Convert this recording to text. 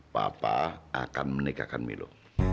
papa akan menikahkan milo